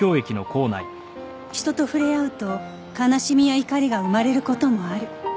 人と触れ合うと悲しみや怒りが生まれる事もある